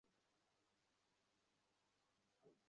তাহলে তাকে হ্যাঁ বললে কেনো?